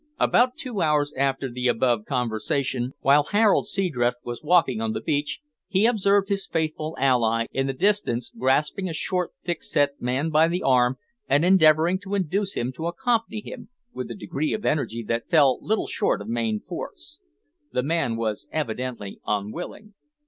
About two hours after the above conversation, while Harold Seadrift was walking on the beach, he observed his faithful ally in the distance grasping a short thickset man by the arm, and endeavouring to induce him to accompany him, with a degree of energy that fell little short of main force. The man was evidently unwilling.